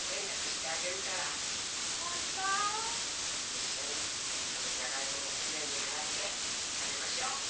いっしょにこのじゃがいももきれいにあらってたべましょう。